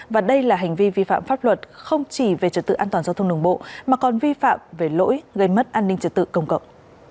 và đây là hành vi vi phạm pháp luật không chỉ về trật tự an toàn giao thông đường bộ mà còn vi phạm về lỗi gây mất an ninh trật tự công cộng